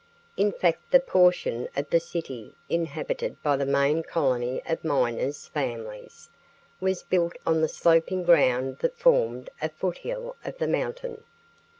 In fact the portion of the city inhabited by the main colony of miners' families was built on the sloping ground that formed a foothill of the mountain.